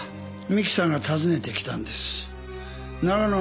三木さんが訪ねてきたんです。